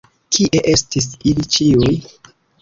Kie estis ili ĉiuj?